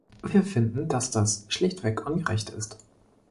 Wir finden, dass das schlichtweg ungerecht ist.